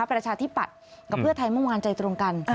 เป็นราชาที่ปัดกับเพื่อไทยเมื่อวานใจตรงกัน